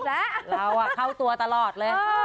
อ๋อเราอีกแล้วเราอ่ะเข้าตัวตลอดเลย